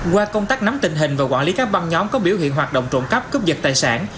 qua công tác nắm tình hình và quản lý các băng nhóm có biểu hiện hoạt động trộm cắp cướp giật tài sản